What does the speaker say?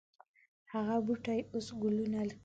هغه بوټی اوس ګلونه کړي